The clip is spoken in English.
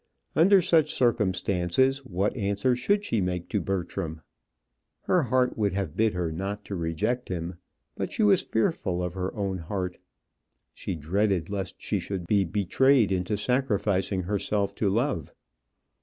Under such circumstances what answer should she make to Bertram? Her heart would have bid her not reject him, but she was fearful of her own heart. She dreaded lest she should be betrayed into sacrificing herself to love.